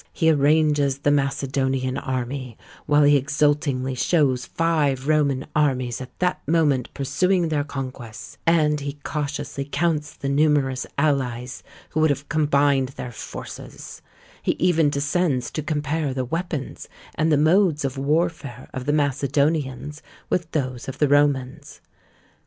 He arranges the Macedonian army, while he exultingly shows five Roman armies at that moment pursuing their conquests; and he cautiously counts the numerous allies who would have combined their forces; he even descends to compare the weapons and the modes of warfare of the Macedonians with those of the Romans.